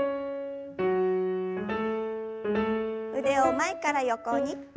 腕を前から横に。